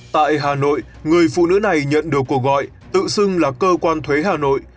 tại hà nội người phụ nữ này nhận được cuộc gọi tự xưng là cơ quan thuế hà nội